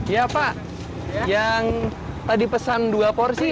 ya pak yang tadi pesan dua porsi